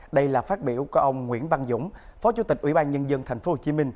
đây là phát biểu của ông nguyễn văn dũng phó chủ tịch ủy ban nhân dân tp hcm